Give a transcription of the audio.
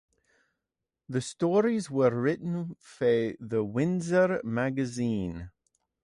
The stories were written for "The Windsor Magazine".